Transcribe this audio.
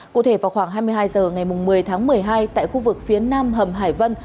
cụ thể vào khoảng hai mươi hai h ngày một mươi tháng một mươi hai tại khu vực phía nam hầm hải vân